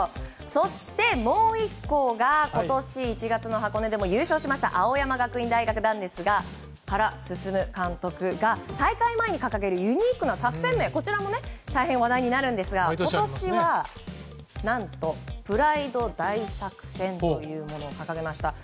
そして、もう１校が今年１月の箱根でも優勝しました青山学院大学ですが原晋監督が大会前に掲げるユニークな作戦名も大変話題になりますが今年は、何とプライド大作戦を掲げました。